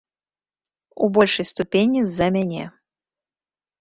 У большай ступені з-за мяне.